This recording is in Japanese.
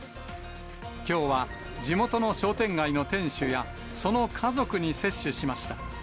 きょうは地元の商店街の店主や、その家族に接種しました。